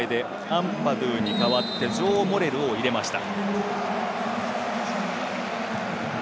アンパドゥに代わってジョー・モレルを入れました。